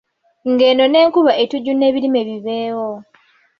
Ng’eno n’enkuba etujuna birime bibeewo.